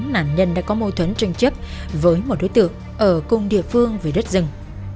bốn nạn nhân đã có mâu thuẫn tranh chấp với một đối tượng ở cùng địa phương về đất rừng